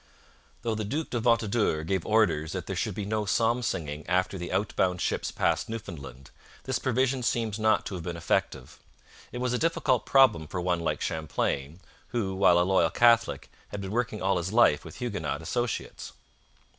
Though the Duc de Ventadour gave orders that there should be no psalm singing after the outbound ships passed Newfoundland, this provision seems not to have been effective. It was a difficult problem for one like Champlain, who, while a loyal Catholic, had been working all his life with Huguenot associates.